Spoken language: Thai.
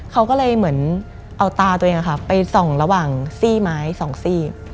เขาก็เลยเหมือนเอาตาตัวเองไปส่องระหว่างซี่ไม้สองซี่